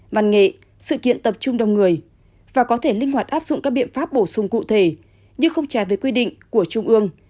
văn nghệ sự kiện tập trung đông người và có thể linh hoạt áp dụng các biện pháp bổ sung cụ thể như không trái với quy định của trung ương